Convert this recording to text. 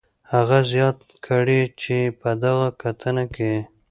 هغه زیاته کړې چې په دغه کتنه کې